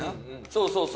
そうそう。